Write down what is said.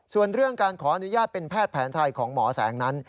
ส่วนเรื่องการขออนุญาตเป็นแพทย์แผนไทยของหมอแสงนั้น